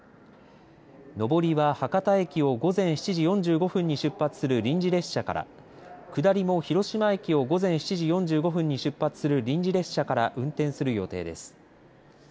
上りは博多駅を午前７時４５分に出発する臨時列車から下りも広島駅を午前７時４５分に出発する臨時列車から運転する予定です。